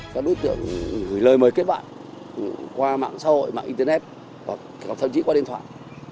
các đối tượng gửi lời mời kết bạn qua mạng xã hội mạng internet hoặc thậm chí qua điện thoại